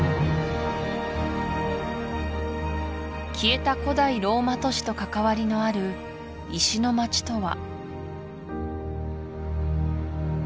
消えた古代ローマ都市と関わりのある石の町とは？